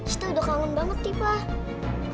sita udah kangen banget pak